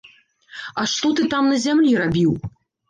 А што ты там на зямлі рабіў?